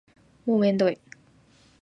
もうめんどい